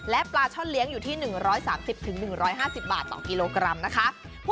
และปลาช่อนเลี้ยงอยู่ที่๑๓๐๑๕๐บาทต่อกิโลกรัมนะคะ